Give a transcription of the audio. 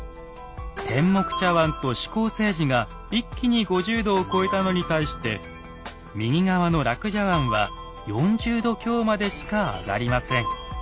天目茶碗と珠光青磁が一気に５０度を超えたのに対して右側の樂茶碗は４０度強までしか上がりません。